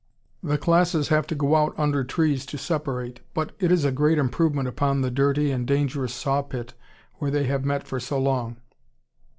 The classes have to go out under trees to separate, but it is a great improvement upon the dirty and dangerous saw pit where they have met for so long.